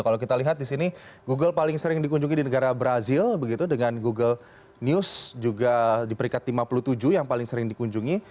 kalau kita lihat di sini google paling sering dikunjungi di negara brazil dengan google news juga di peringkat lima puluh tujuh yang paling sering dikunjungi